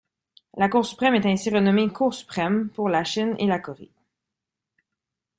La Cour suprême est ainsi renommée Cour suprême pour la Chine et la Corée.